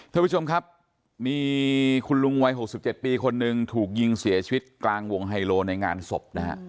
ท่านผู้ชมครับมีคุณลุงวัย๖๗ปีคนหนึ่งถูกยิงเสียชีวิตกลางวงไฮโลในงานศพนะฮะ